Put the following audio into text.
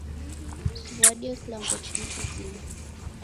Siw'adie kilambo chimu kizima